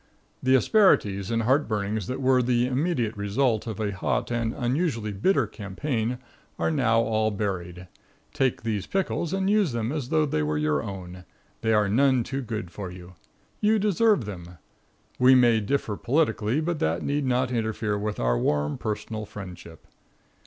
The asperities and heart burnings that were the immediate result of a hot and unusually bitter campaign are now all buried. Take these pickles and use them as though they were your own. They are none too good for you. You deserve them. We may differ politically, but that need not interfere with our warm personal friendship.